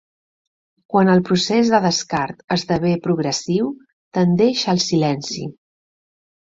Quan el procés de descart esdevé progressiu tendeix al silenci.